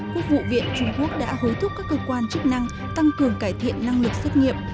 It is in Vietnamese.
quốc vụ viện trung quốc đã hối thúc các cơ quan chức năng tăng cường cải thiện năng lực xét nghiệm